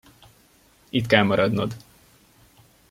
Itt kell maradnod!